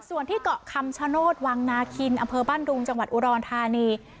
ส่วนที่เกาะคำชโนธวังนาคินอำเภอบ้านดุงจังหวัดอุดรธานี